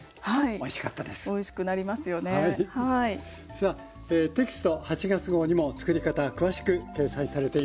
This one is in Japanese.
さあテキスト８月号にもつくり方詳しく掲載されています。